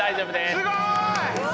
すごい！わ！